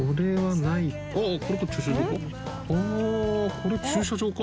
これ駐車場か？